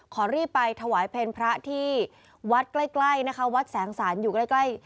ขอรีบไปถวายเพลงพระที่วัดใกล้ใกล้นะคะวัดแสงสารอยู่ใกล้